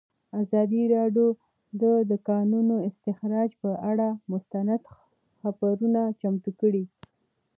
ازادي راډیو د د کانونو استخراج پر اړه مستند خپرونه چمتو کړې.